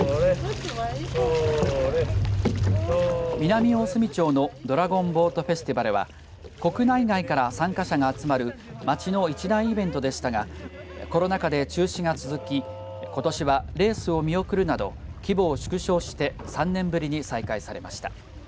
南大隅町のドラゴンボートフェスティバルは国内外から参加者が集まる町の一大イベントでしたがコロナ禍で中止が続きことしはレースを見送るなど規模を縮小して３年ぶりに再開されました。